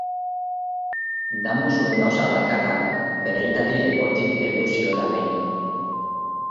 Damu zuen gauza bakarra, bere aitari lepotik heldu ziola behin.